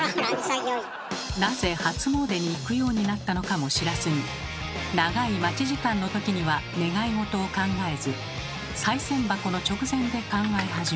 なぜ初詣に行くようになったのかも知らずに長い待ち時間のときには願い事を考えず賽銭箱の直前で考え始め。